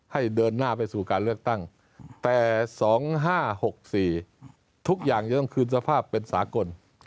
เดินหน้าไปสู่การเลือกตั้งแต่๒๕๖๔ทุกอย่างจะต้องคืนสภาพเป็นสากล